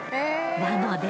なので。